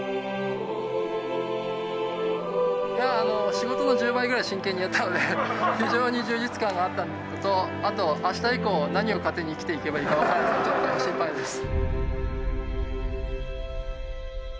仕事の１０倍ぐらい真剣にやったので非常に充実感があったのとあと明日以降何を糧に生きていけばいいか分からない状態で心配です。